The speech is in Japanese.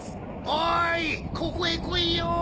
おいここへ来いよ！